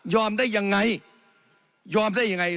ได้ยังไงยอมได้ยังไง